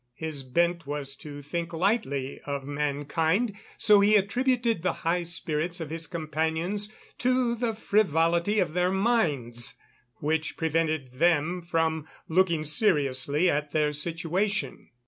His bent was to think lightly of mankind, so he attributed the high spirits of his companions to the frivolity of their minds, which prevented them from looking seriously at their situation.